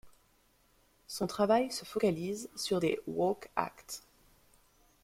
Son travail se focalise sur des Walk act.